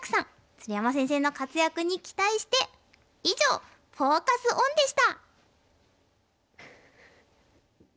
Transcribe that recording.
鶴山先生の活躍に期待して以上フォーカス・オンでした。